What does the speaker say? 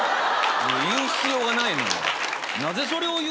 言う必要がないもん。